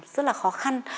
rất là khó khăn